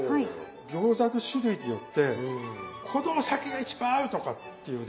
餃子の種類によってこのお酒が一番合うとかっていうね